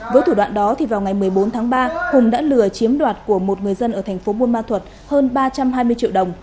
với thủ đoạn đó thì vào ngày một mươi bốn tháng ba hùng đã lừa chiếm đoạt của một người dân ở thành phố buôn ma thuật hơn ba trăm hai mươi triệu đồng